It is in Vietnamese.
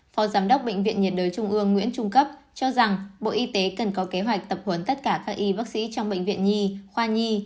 phó giám đốc bệnh viện nhiệt đới trung ương nguyễn trung cấp cho rằng bộ y tế cần có kế hoạch tập huấn tất cả các y bác sĩ trong bệnh viện nhi khoa nhi